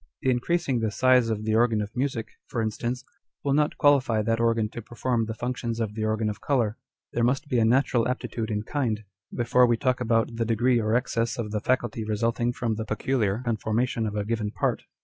The increasing the size of the organ of music,, for instance, will not qualify that organ to perform the functions of the organ of colour : there must be a natural aptitude in kind, before we talk about the degree or 1 Page 105. On Dr. Spurzlieim s Theory. 201 excess of the faculty resulting from tlie peculiar con formation of a given part.